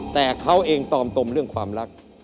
แต่เขาเองตอมตมเรื่องความรัก